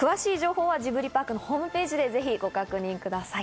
詳しいことはジブリパークのホームページをご覧ください。